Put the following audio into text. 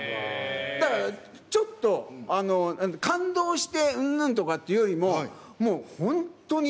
だから、ちょっと感動してうーんとかっていうよりも、もう、本当に。